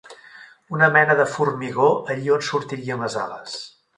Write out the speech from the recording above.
Una mena de formigor allí on sortirien les ales